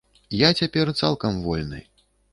Я цяпер цалкам вольны.